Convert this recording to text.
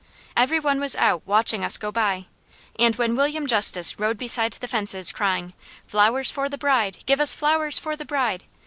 Every one was out watching us go by, and when William Justus rode beside the fences crying, "Flowers for the bride! Give us flowers for the bride!"